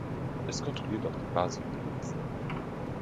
Es kontrolliert auch die Basij-Milizen.